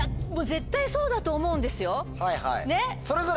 絶対そうだと思うんですよねっ。